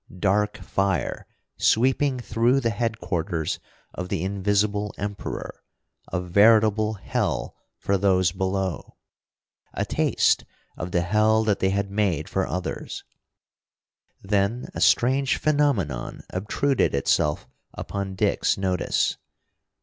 Dark fire, sweeping through the headquarters of the Invisible Emperor, a veritable hell for those below! A taste of the hell that they had made for others! Then a strange phenomenon obtruded itself upon Dick's notice.